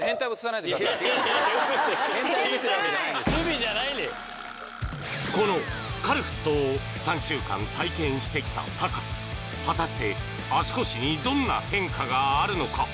変態このカルフットを３週間体験してきたタカ果たして足腰にどんな変化があるのか？